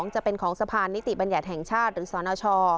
จะเป็นของสะพานนิติบัญญัติแห่งชาติหรือสนช